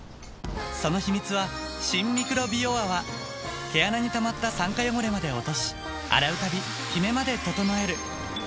その秘密は毛穴にたまった酸化汚れまで落とし洗うたびキメまで整えるＮＥＷ！